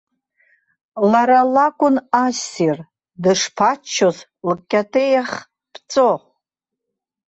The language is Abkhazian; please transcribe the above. Лара лакәын ассир, дышԥаччоз лкьатеиах ԥҵәо.